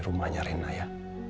rumahnya rena ya